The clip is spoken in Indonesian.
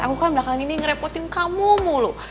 aku kan belakang gini ngerepotin kamu mulu